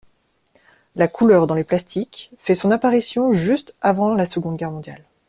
La couleur dans les plastiques fait son apparition juste avant la Seconde Guerre mondiale.